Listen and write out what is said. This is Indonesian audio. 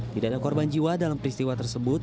tidak ada korban jiwa dalam peristiwa tersebut